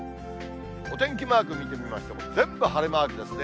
お天気マーク見てみましても、全部晴れマークですね。